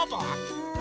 うん。